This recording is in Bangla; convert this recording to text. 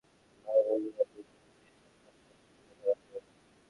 আমজনতার জন্য দেওয়া মহামূল্যবান বেগুনের সেই সাক্ষাৎকারটি তুলে ধরা হলো এবার।